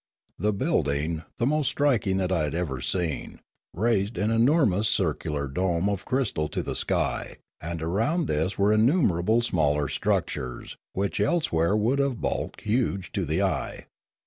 The building, the most striking that I had ever seen, raised an enormous circular dome of crystal to the sky, and around this were innumerable smaller structures, which elsewhere would have bulked huge to the eye.